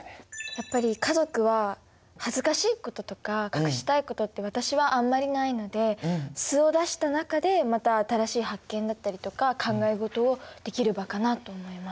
やっぱり家族は恥ずかしいこととか隠したいことって私はあんまりないので素を出した中でまた新しい発見だったりとか考え事をできる場かなと思います。